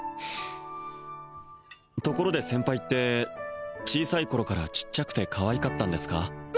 ところで先輩って小さい頃からちっちゃくてかわいかったんですか？